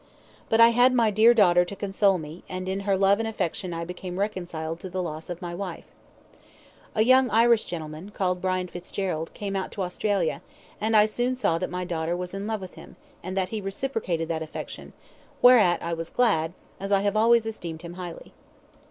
But I had my dear daughter to console me, and in her love and affection I became reconciled to the loss of my wife. A young Irish gentleman, called Brian Fitzgerald, came out to Australia, and I soon saw that my daughter was in love with him, and that he reciprocated that affection, whereat I was glad, as I have always esteemed him highly.